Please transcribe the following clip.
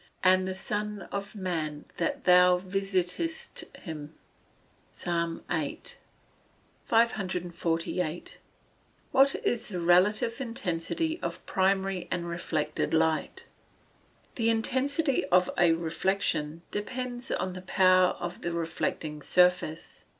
and the son of man that thou visitest him?" PSALM VIII.] 548. What is the relative intensity of primary and reflected light? The intensity of a reflection depends upon the power of the reflecting surface.